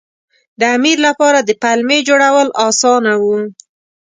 د امیر لپاره د پلمې جوړول اسانه وو.